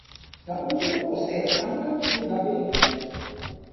La urbo posedas ankaŭ flughavenon.